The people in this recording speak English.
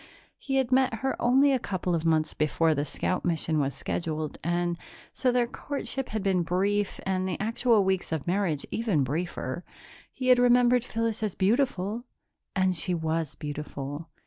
He had met her only a couple of months before the scout mission was scheduled, and so their courtship had been brief, and the actual weeks of marriage even briefer. He had remembered Phyllis as beautiful and she was beautiful.